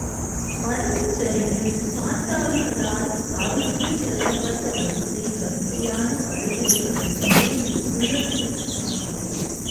வடக்குச் சரிவு காட்டாறுகளால் அறுத்துச் செல்லப் பட்ட வரிசை வரிசையான படுகைகள் நிறைந்து பிளவுபட்டுக் காணப்படுகிறது.